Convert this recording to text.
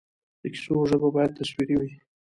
د کیسو ژبه باید تصویري وي.